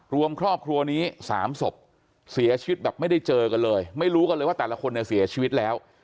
รวมครอบครัวนี้๓ศพเสียชีวิตแบบไม่ได้เจอกันเลยไม่รู้กันเลยว่าแต่ละคนเนี่ยเสียชีวิตแล้ว